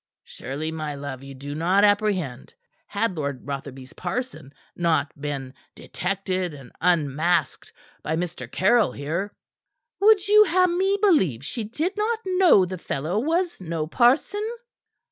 "Surely, my love, you do not apprehend. Had Lord Rotherby's parson not been detected and unmasked by Mr. Caryll, here " "Would you ha' me believe she did not know the fellow was no parson?"